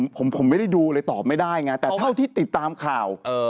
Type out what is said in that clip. ผมไม่ได้ดูเลยตอบไม่ได้ไงแต่เท่าที่ติดตามข่าว